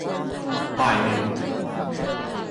บ่ายหนึ่ง